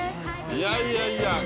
いやいやいや。